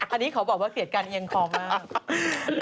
อันนี้ขอบอกว่าเกลียดการเอียงคอมาก